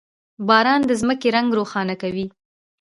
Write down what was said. • باران د ځمکې رنګ روښانه کوي.